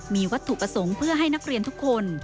มีวัตถุประสงค์เพื่อให้นักเรียนทุกคน